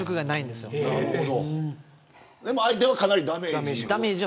でも、相手はかなりダメージ。